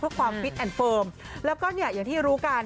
เพื่อความพิษและเฟิร์มแล้วก็อย่างที่รู้กัน